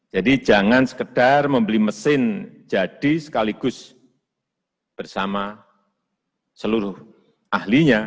jadi jangan sekedar membeli mesin jadi sekaligus bersama seluruh ahlinya